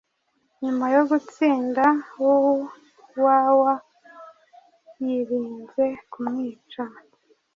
Nyuma yo gutsinda Huwawayirinze kumwica